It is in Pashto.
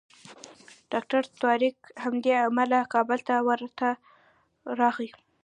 ډاکټر طارق همدې امله کابل ته ورته راغی.